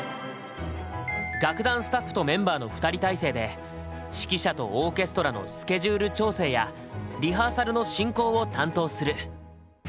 楽団スタッフとメンバーの２人体制で指揮者とオーケストラのスケジュール調整やリハーサルの進行を担当する。